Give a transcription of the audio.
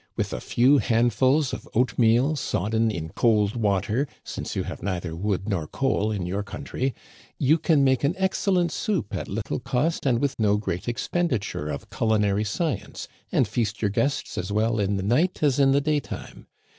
With a few handfuls of oatmeal sodden in cold water — since you have neither wood nor coal in your country — you can make an excellent soup at little cost and with no great expenditure of culinary science, and feast your guests as well in the night as m the daytime.